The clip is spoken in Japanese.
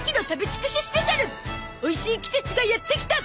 おいしい季節がやって来た！